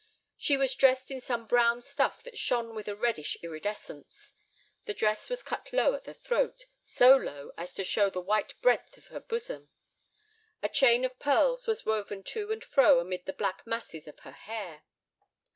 She was dressed in some brown stuff that shone with a reddish iridescence. The dress was cut low at the throat, so low as to show the white breadth of her bosom. A chain of pearls was woven to and fro amid the black masses of her hair.